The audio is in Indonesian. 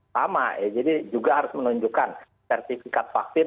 sama ya jadi juga harus menunjukkan sertifikat vaksin